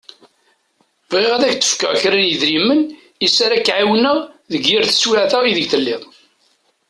Bɣiɣ ad k-d-fkeɣ kra n yedrimen iss ara k-εiwneɣ deg yir taswiεt-a ideg telliḍ.